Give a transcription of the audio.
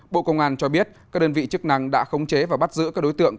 bộ công an cho biết các đơn vị chức năng đã khống chế và bắt giữ các đối tượng